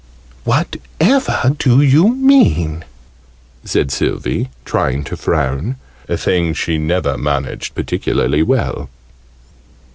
"Whatever do you mean?" said Sylvie, trying to frown, a thing she never managed particularly well.